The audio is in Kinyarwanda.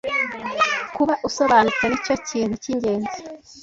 kuba usobanutse nicyo kintu cyingenzi